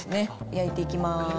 焼いていきます。